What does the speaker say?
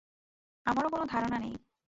আমারও কোনো ধারণা নেই।